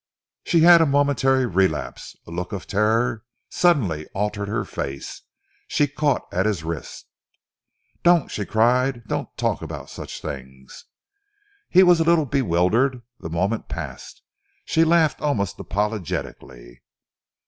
She had a momentary relapse. A look of terror suddenly altered her face. She caught at his wrist. "Don't!" she cried. "Don't talk about such things!" He was a little bewildered. The moment passed. She laughed almost apologetically.